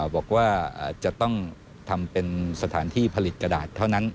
บอกว่าจะต้องทำเป็นสถานที่ผลิตกระดาษเท่านั้น